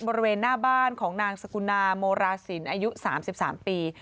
บริเวณหน้าบ้านของนางสกุณาโมราศิลป์อายุ๓๓ปี